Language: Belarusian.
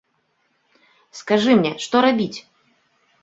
Скажы мне, што рабіць?